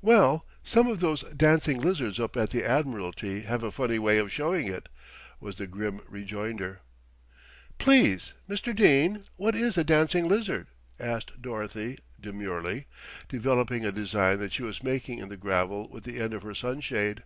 "Well, some of those dancing lizards up at the Admiralty have a funny way of showing it," was the grim rejoinder. "Please, Mr. Dene, what is a dancing lizard?" asked Dorothy demurely, developing a design that she was making in the gravel with the end of her sunshade.